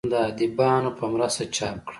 د اديبانو پۀ مرسته چاپ کړه